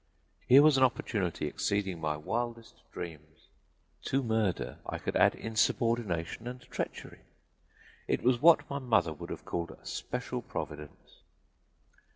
Here was an opportunity exceeding my wildest dreams to murder I could add insubordination and treachery. It was what my good mother would have called 'a special Providence.'